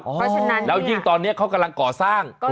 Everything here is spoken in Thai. เพราะฉะนั้นแล้วยิ่งตอนนี้เขากำลังก่อสร้าง